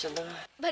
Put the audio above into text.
ini badannya panas